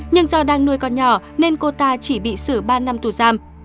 nhưng do đang nuôi con nhỏ nên cô ta chỉ bị xử ba năm tù giam